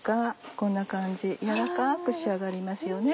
こんな感じ柔らかく仕上がりますよね。